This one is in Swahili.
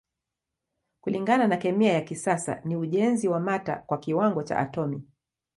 Kulingana na kemia ya kisasa ni ujenzi wa mata kwa kiwango cha atomi.